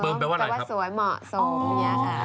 เปิงแปบอะไรเพราะว่าสวยเหมาะทุอปีนี้